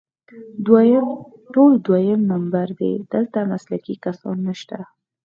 ټول دویم نمبر دي، دلته مسلکي کسان نشته